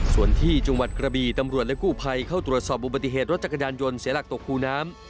ส่วนที่จังหวัดกระบีตำรวจและกู้ภัยเข้าตรวจสอบอุบัติเหตุรถจักรยานยนต์เสียหลักตกคูน้ำ